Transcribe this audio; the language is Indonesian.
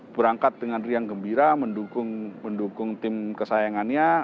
berangkat dengan riang gembira mendukung tim kesayangannya